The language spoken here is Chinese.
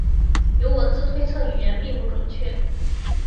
由文字推测语言并不准确。